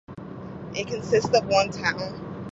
It consists of one town.